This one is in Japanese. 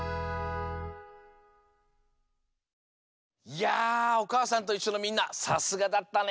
いや「おかあさんといっしょ」のみんなさすがだったね。